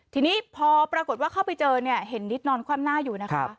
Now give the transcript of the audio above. ทีนี้พอปรากฏว่าเข้าไปเจอเนี่ยเห็นนิดนอนคว่ำหน้าอยู่นะคะ